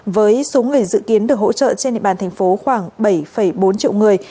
với số người dự kiến được hỗ trợ trên địa bàn tp khoảng bảy bốn triệu người